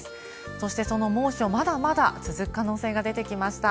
そしてその猛暑、まだまだ続く可能性が出てきました。